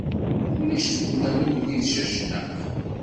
Ulac tugna n ugellid Cacnaq.